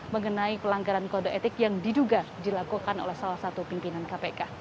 mengenai pelanggaran kode etik yang diduga dilakukan oleh salah satu pimpinan kpk